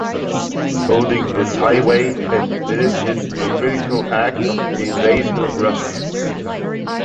Holding this highway and village is the critical act of the invasion of Russia.